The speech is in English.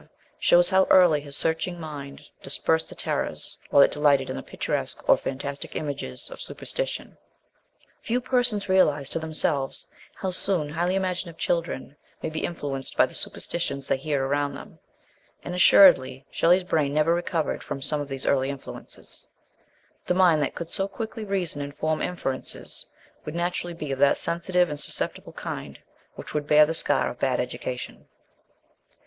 shows how early his searching mind dis persed the terrors, while it delighted in the pictur esque or fantastic images, of superstition. Few persons realise to themselves how soon highly imaginative children may be influenced by the super stitions they hear around them, and assuredly Shelley's brain never recovered from some of these early influences : the mind that could so quickly reason and form inferences would naturally be of that sensitive 38 MRS. SHELLEY. and susceptible kind which would bear the scar of bad education.